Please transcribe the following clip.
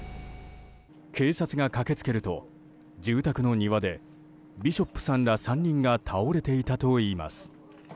警察が駆け付けると住宅の庭でビショップさんら３人が倒れていたといいます。